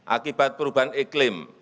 akibat perubahan iklim